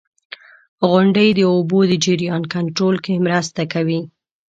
• غونډۍ د اوبو د جریان کنټرول کې مرسته کوي.